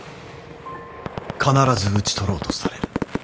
必ず討ち取ろうとされる。